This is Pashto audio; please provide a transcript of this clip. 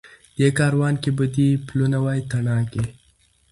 دې کاروان کي به دي پلونه وای تڼاکي